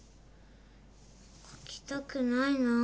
書きたくないなぁ。